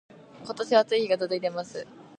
今年は暑い日が続いています